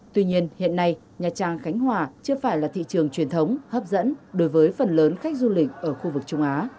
tuy nhiên hiện nay nha trang khánh hòa chưa phải là thị trường truyền thống hấp dẫn đối với phần lớn khách du lịch ở khu vực trung á